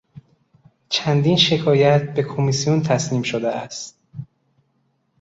چندین شکایت به کمیسیون تسلیم شده است.